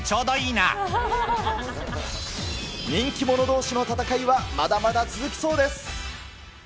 人気者どうしの戦いは、まだまだ続きそうです。